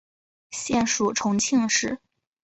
现属重庆市。